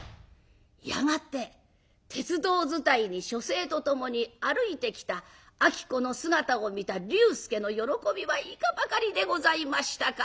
やがて鉄道伝いに書生と共に歩いてきた子の姿を見た龍介の喜びはいかばかりでございましたか。